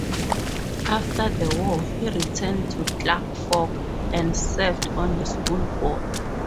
After the war, he returned to Clark Fork and served on the school board.